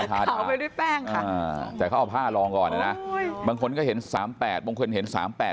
แต่เขาเอาผ้าลองก่อนนะนะบางคนก็เห็น๓๘บางคนเห็น๓๘๐